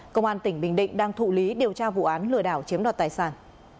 công an tỉnh bình định đang thụ lý điều tra vụ án lừa đảo chiếm đoạt tài sản